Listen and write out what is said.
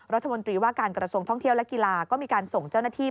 รัฐมนตรีว่าการกระทรวงท่องเที่ยวและกีฬาก็มีการส่งเจ้าหน้าที่